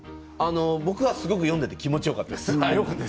僕は読んでいてすごく気持ちよかったです。